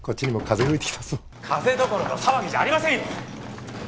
風どころの騒ぎじゃありませんよ！